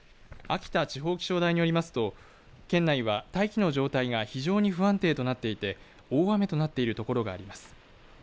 秋田地方気象台によりますと県内は、大気の状態が非常に不安定となっていて大雨となっている所があります。